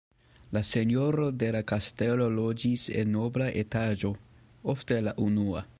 La senjoro de la kastelo loĝis en la nobla etaĝo, ofte la unua.